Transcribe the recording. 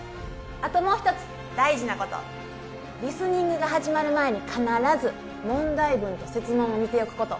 あともう一つ大事なことリスニングが始まる前に必ず問題文と設問を見ておくこと